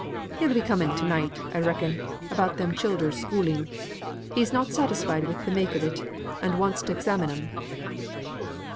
He'll be coming to night, I reckon, about them childer's schooling. He's not satisfied wi' the make of it, and wants for t' examine 'em."